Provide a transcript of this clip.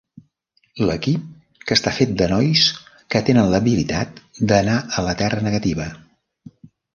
L'equip que està fet de nois que tenen l'habilitat d'anar a la Terra Negativa.